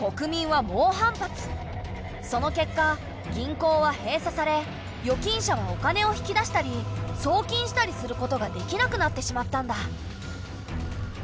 その結果銀行は閉鎖され預金者はお金を引き出したり送金したりすることができなくなってしまったんだ。